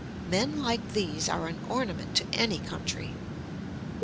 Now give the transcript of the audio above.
Men like these are an ornament to any country.